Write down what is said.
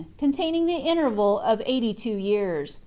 Containing The Interval Of Eighty Two Years.